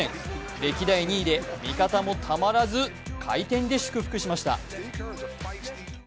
歴代２位で味方もたまらず回転で祝福しました。